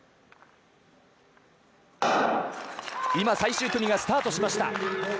今、最終組がスタートしました。